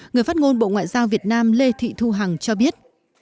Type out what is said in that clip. người phát ngôn bộ ngoại giao việt nam lê thị thu hằng cho biết